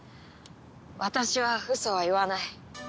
私は嘘は言わない。